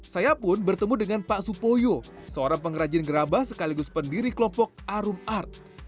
saya pun bertemu dengan pak supoyo seorang pengrajin gerabah sekaligus pendiri kelompok arum art